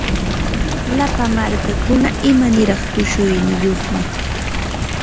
Llapa markakuna imaniraq tushuyniyuqmi.